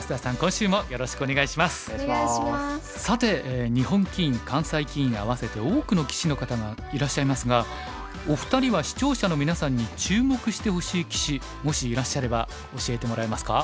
さて日本棋院関西棋院合わせて多くの棋士の方がいらっしゃいますがお二人は視聴者のみなさんに注目してほしい棋士もしいらっしゃれば教えてもらえますか？